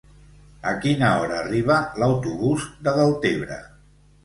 A quina hora arriba l'autobús de Deltebre?